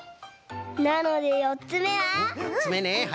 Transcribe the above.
なのでよっつめは。